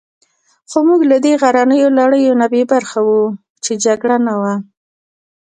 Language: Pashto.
خو موږ له دې غرنیو لړیو نه بې برخې وو، چې جګړه نه وه.